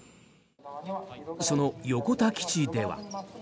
その横田基地では。